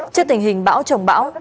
trước tình hình bão trồng bão